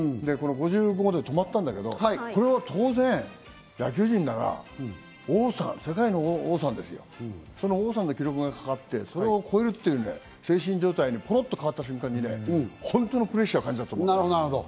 ５５号で止まったんだけど、これは当然、野球人なら王さん、世界の王さん、その記録がかかって、それを超えるっていう精神状態にコロッと変わった瞬間に本当のプレッシャーを感じたと思う。